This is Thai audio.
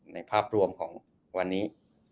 ภาพรวมของวันนี้